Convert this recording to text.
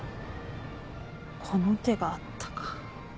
この手があったか。